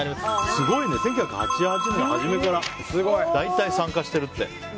すごいね、１９８８年の初めから。大体、参加してるって。